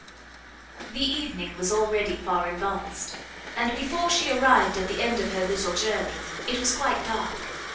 The evening was already far advanced, and before she arrived at the end of her little journey it was quite dark.